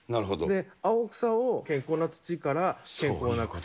青草を健康な土から健康な草。